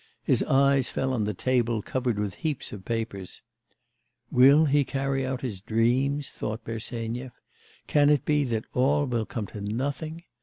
His eyes fell on the table covered with heaps of papers... 'Will he carry out his dreams?' thought Bersenyev. 'Can it be that all will come to nothing?